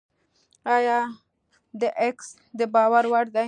ایا داکس دباور وړ دی؟